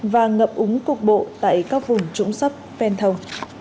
và ngập úng cục bộ tại các vùng trụng thấp ven thâu